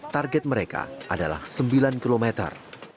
target mereka adalah sembilan kilometer